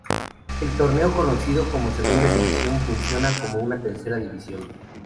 El torneo conocido como Segunda División funciona como una tercera división.